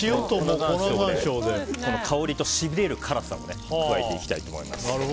香りとしびれる辛さを加えていきたいと思います。